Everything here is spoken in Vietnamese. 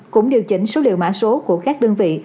cũng điều chỉnh số liệu mã số của các đơn vị